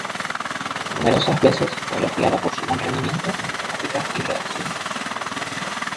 Numerosas veces fue elogiada por su buen rendimiento en matemáticas y redacción.